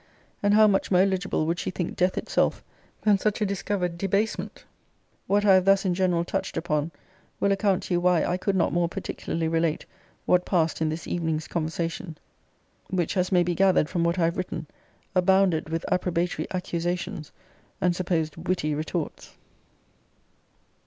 and how much more eligible would she think death itself than such a discovered debasement! What I have thus in general touched upon, will account to you why I could not more particularly relate what passed in this evening's conversation: which, as may be gathered from what I have written, abounded with approbatory accusations, and supposed witty retorts.